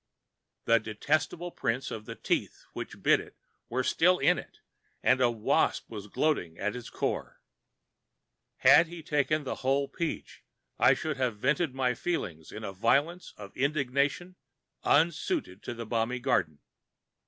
The detestable prints of the teeth which bit it were still in it, and a wasp was gloating at its core. Had he taken the whole peach I should have vented my feelings in a violence of indignation unsuited to a balmy garden.